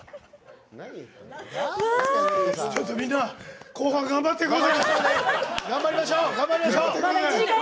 ちょっとみんな後半頑張っていこうぜ！